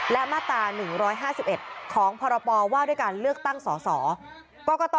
และมาตรา๑๕๑ของพรปว่าด้วยการเลือกตั้งสส